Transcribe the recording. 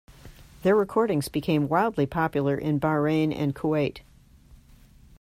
Their recordings became widely popular in Bahrain and Kuwait.